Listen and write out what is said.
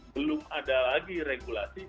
belum ada lagi regulasi